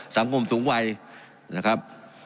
สังคมสูงวัยนะครับ